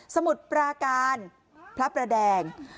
สมุดปราการพระแดง